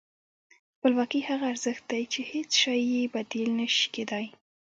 خپلواکي هغه ارزښت دی چې هېڅ شی یې بدیل نه شي کېدای.